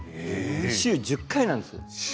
週に１０回なんです。